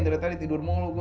ternyata ditidur mulu gue